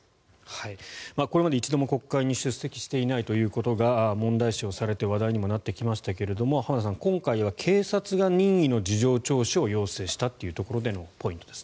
これまで一度も国会に出席していないということが問題視されて話題にもなってきましたが浜田さん、今回は警察が任意の事情聴取を要請したというところでのポイントです。